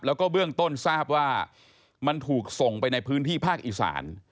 แล้วก็เบื้องต้นทราบว่ามันถูกส่งไปในพื้นที่ภาคอีสาน